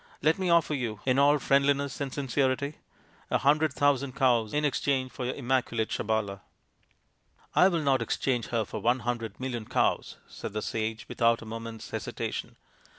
Let me offer you, in all friendliness and sincerity, a hundred thousand cows in exchange for your immaculate Sabala." " I will not exchange her for one hundred million cows/' said the sage, without a moment's hesitation.